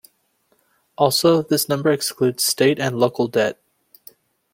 Also, this number excludes state and local debt.